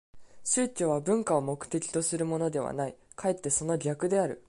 宗教は文化を目的とするものではない、かえってその逆である。